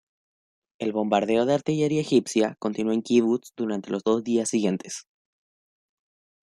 El bombardeo de artillería egipcia continuó en el kibutz durante los dos días siguientes.